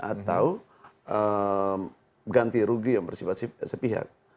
atau ganti rugi yang bersifat sepihak